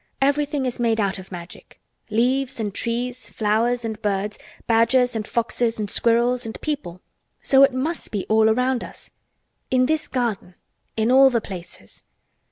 Everything is made out of Magic, leaves and trees, flowers and birds, badgers and foxes and squirrels and people. So it must be all around us. In this garden—in all the places.